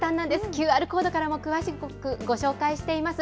ＱＲコードからも詳しくご紹介しています。